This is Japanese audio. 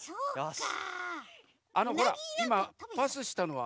あのほらパスしたのは。